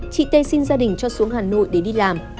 chị tê xin gia đình cho xuống hà nội để đi làm